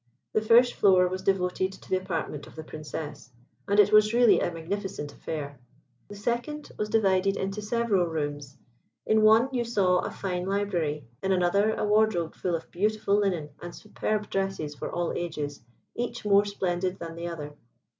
The first floor was devoted to the apartment of the Princess, and it was really a magnificent affair. The second was divided into several rooms. In one you saw a fine library, in another a wardrobe full of beautiful linen and superb dresses for all ages, each more splendid than the other.